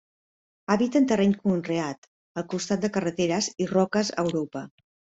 Habita en terreny conreat, al costat de carreteres i roques a Europa.